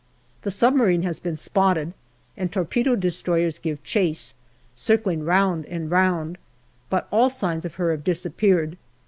The submarine has been spotted, and torpedo destroyers give chase, circling round and round, but all signs of her have disappeared.